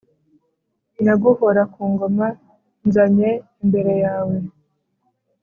Nyaguhora kungoma nzanye imbere yawe